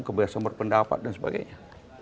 kebebasan berpendapat dan sebagainya